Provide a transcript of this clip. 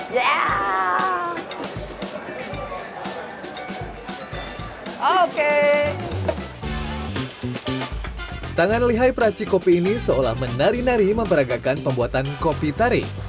ya oke tangan lihai peraci kopi ini seolah menari nari memperagakan pembuatan kopi tarik